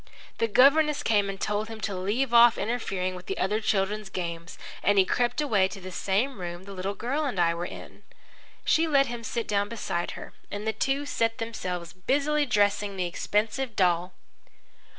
The governess came and told him to leave off interfering with the other children's games, and he crept away to the same room the little girl and I were in. She let him sit down beside her, and the two set themselves busily dressing the expensive doll.